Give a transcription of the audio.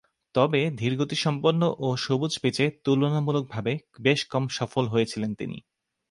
তবে, ধীরগতিসম্পন্ন ও সবুজ পিচে তুলনামূলকভাবে বেশ কম সফল হয়েছিলেন তিনি।